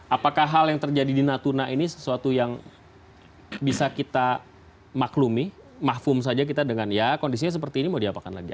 apakah hal yang terjadi di natuna ini sesuatu yang bisa kita maklumi makfum saja kita dengan ya kondisinya seperti ini mau diapakan lagi